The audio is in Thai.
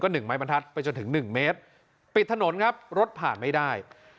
หนึ่งไม้บรรทัดไปจนถึงหนึ่งเมตรปิดถนนครับรถผ่านไม่ได้